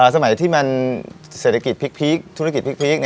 สมัยที่มันเศรษฐกิจพลิก